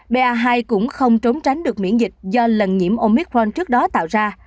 ba hai cũng không trốn tránh được miễn dịch do lần nhiễm omicron trước đó tạo ra